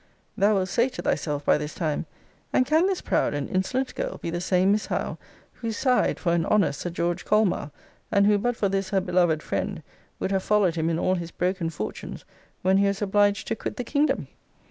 Thou wilt say to thyself, by this time, And can this proud and insolent girl be the same Miss Howe, who sighed for an honest Sir George Colmar; and who, but for this her beloved friend, would have followed him in all his broken fortunes, when he was obliged to quit the kingdom?